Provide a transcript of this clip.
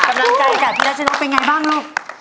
กำลังใจจากพี่รัชนกเป็นไงบ้างลูก